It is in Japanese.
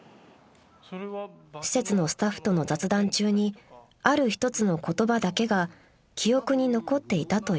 ［施設のスタッフとの雑談中にある一つの言葉だけが記憶に残っていたというのです］